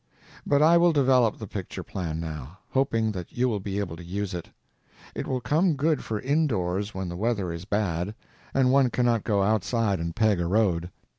But I will develop the picture plan now, hoping that you will be able to use it. It will come good for indoors when the weather is bad and one cannot go outside and peg a road.